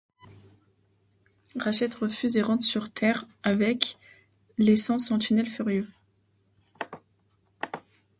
Ratchet refuse et rentre sur Terre avec, laissant Sentinel furieux.